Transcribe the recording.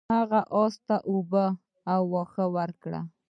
هغه اس ته اوبه او واښه ورکول.